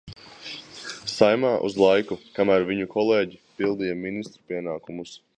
Saeimā uz laiku, kamēr viņu kolēģi pildīja ministru pienākumus!